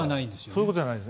そういうことじゃない。